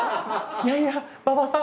いやいや馬場さん